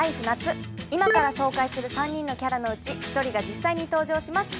今から紹介する３人のキャラのうち１人が実際に登場します。